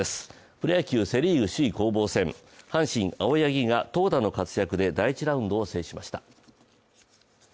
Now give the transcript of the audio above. プロ野球セ・リーグ首位攻防戦、阪神・青柳が投打の活躍で第１ラウンドを制しました。